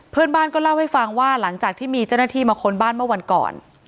เพื่อนบ้านก็เล่าให้ฟังว่าหลังจากที่มีเจ้าหน้าที่มาค้นบ้านเมื่อวันก่อน